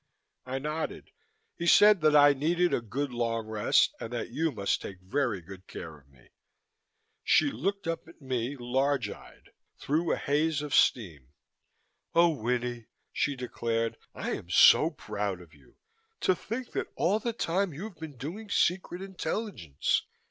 I nodded. "He said that I needed a good long rest and that you must take very good care of me." She looked up at me, large eyed, through a haze of steam. "Oh, Winnie," she declared. "I am so proud of you. To think that all the time you've been doing secret intelligence!